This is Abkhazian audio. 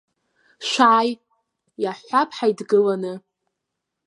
Шәааи, иаҳҳәап ҳаидгыланы.